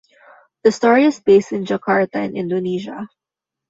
The story is based in Jakarta in Indonesia.